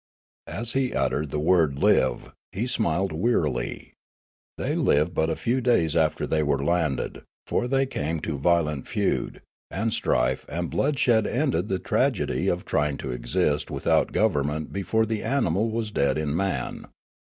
As he uttered the word "live" he smiled wearily. They lived but a few days after they were landed, for they came to violent feud, and strife and bloodshed ended the tragedy of trying to exist without government before the animal was dead in man.